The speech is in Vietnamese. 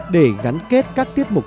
để gắn kết các tiết mục